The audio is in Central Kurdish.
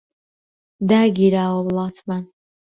داگیراوە وڵاتمان